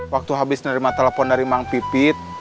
waktu habis menerima telepon dari mang pipit